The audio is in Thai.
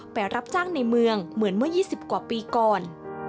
ไปรับจ้างในเมืองเหมือนเมื่อ๒๐กว่าปีก่อน